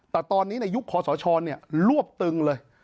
แต่ตอนนี้ในยุคขสชเนี่ยรวบตึงเลย